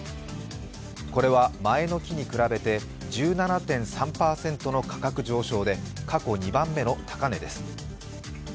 これは前の期に比べて１７．３％の価格上昇で過去２番目の高値です。